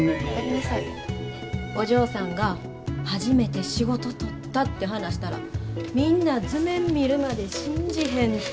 お嬢さんが初めて仕事取ったって話したらみんな図面見るまで信じへんて！